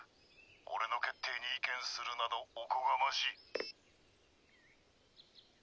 俺の決定に意見するなどおこがましい。